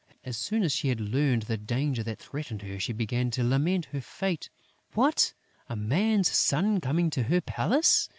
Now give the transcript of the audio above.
As soon as she had learned the danger that threatened her, she began to lament her fate. What! A man's son coming to her palace!